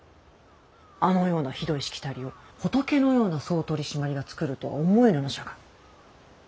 あのようなひどいしきたりを仏のような総取締が作るとは思えぬのじゃが。